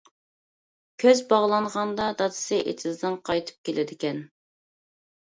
كۆز باغلانغاندا دادىسى ئېتىزدىن قايتىپ كېلىدىكەن.